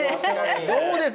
どうです？